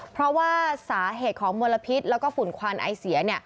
เพราะว่าสาเหตุของมลพิษแล้วก็ฝุ่นควันไอเสีย